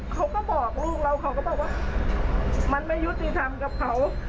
เขาก็บอกลูกเรามันไม่ยุติธรรมกับเขา